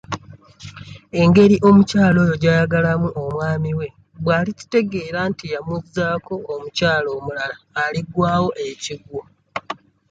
Engeri omukyala oyo gy'ayagalamu omwami we bw'alikitegeera nti yamuzzaako omukyala omulala aligwawo ekigwo.